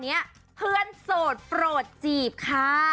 เพราะว่ามีเพื่อนซีอย่างน้ำชาชีระนัทอยู่เคียงข้างเสมอค่ะ